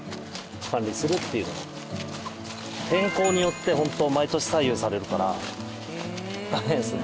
天候によってホント毎年左右されるから大変ですね。